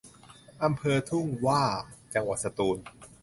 อำเภอทุ่งหว้า จังหวัดสตูล